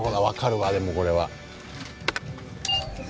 分かるわでもこれは。